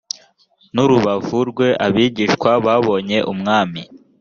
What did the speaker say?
n urubavu rwe abigishwa babonye umwami